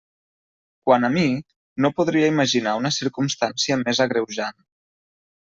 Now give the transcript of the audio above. Quant a mi, no podria imaginar una circumstància més agreujant.